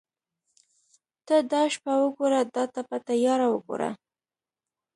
ته دا شپه وګوره دا تپه تیاره وګوره.